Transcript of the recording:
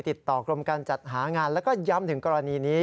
ติดต่อกรมการจัดหางานแล้วก็ย้ำถึงกรณีนี้